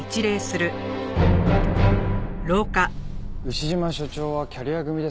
牛島署長はキャリア組ですか？